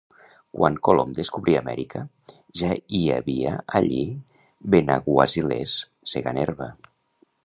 Quan Colom descobrí Amèrica, ja hi havia allí benaguasilers segant herba.